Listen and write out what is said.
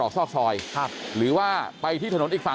คุณภูริพัฒน์บุญนิน